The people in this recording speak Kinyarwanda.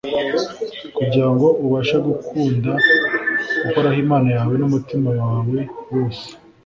kugira ngo ubashe gukunda uhoraho imana yawe n’umutima wawe wose,